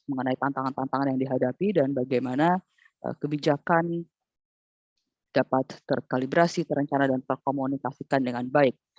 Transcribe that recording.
mengenai tantangan tantangan yang dihadapi dan bagaimana kebijakan dapat terkalibrasi terencana dan terkomunikasikan dengan baik